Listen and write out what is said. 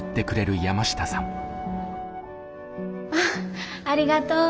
あっありがとう。